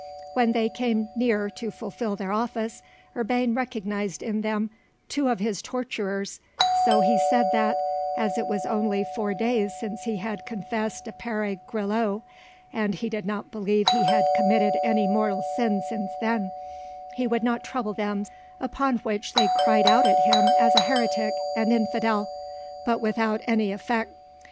When they came near to fulfil their office, Urbain recognised in them two of his torturers, so he said that, as it was only four days since he had confessed to Pere Grillau, and he did not believe he had committed any mortal sin since then, he would not trouble them, upon which they cried out at him as a heretic and infidel, but without any effect.